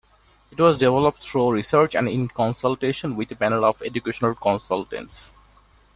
It was developed through research and in consultation with a panel of educational consultants.